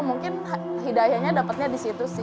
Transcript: mungkin hidayahnya dapatnya di situ sih